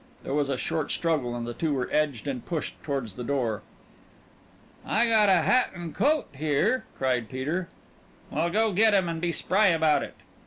There was a short struggle and the two were edged and pushed toward the door. "I got a hat and a coat here!" cried Peter. "Well, go get 'em and be spry about it!"